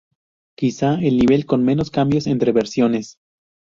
Quizá el nivel con menos cambios entre versiones.